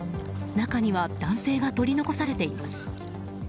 中には男性が取り残されています。